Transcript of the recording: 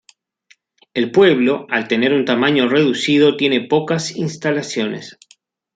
El pueblo, al tener un tamaño reducido, tiene pocas instalaciones.